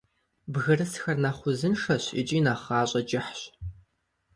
Бгырысхэр нэхъ узыншэщ икӏи нэхъ гъащӀэ кӀыхьщ.